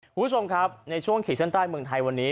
คุณผู้ชมครับในช่วงขีดเส้นใต้เมืองไทยวันนี้